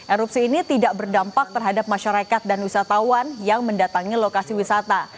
erupsi ini tidak berdampak terhadap masyarakat dan wisatawan yang mendatangi lokasi wisata